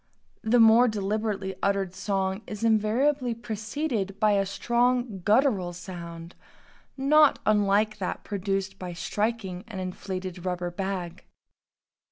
The more deliberately uttered song is invariably preceded by a strongly guttural sound not unlike that produced by striking an inflated rubber bag.